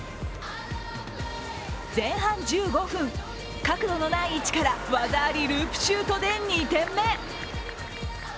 前半１５分、角度のない位置から技ありループシュートで２点目。